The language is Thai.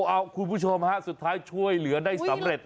เอาคุณผู้ชมฮะสุดท้ายช่วยเหลือได้สำเร็จ